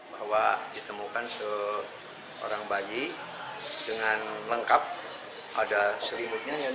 bahwa ditemukan seorang bayi dengan lengkap ada selimutnya